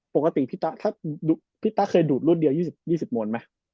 ปกติพี่ตาเคยดูดรถเดียว๒๐โมนไหม